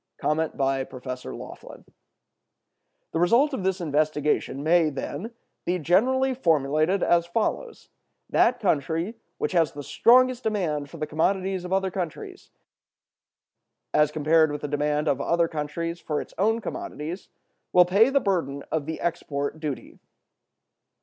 (345) The result of this investigation may, then, be generally formulated as follows: That country which has the strongest demand for the commodities of other countries as compared with the demand of other countries for its own commodities will pay the burden of the export duty.